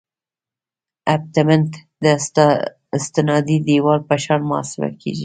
ابټمنټ د استنادي دیوال په شان محاسبه کیږي